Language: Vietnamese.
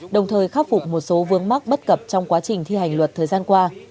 đồng thời khắc phục một số vương mắc bất cập trong quá trình thi hành luật thời gian qua